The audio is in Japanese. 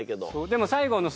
でも最後の。